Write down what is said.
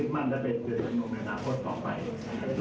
ไม่มีสันหาอะไรเลย